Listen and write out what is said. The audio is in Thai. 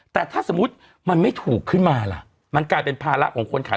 แต่ถ้าสมมุติมันไม่ถูกขึ้นมาล่ะมันกลายเป็นภาระของคนขาย